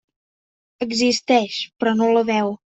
Existeix, però no la veu.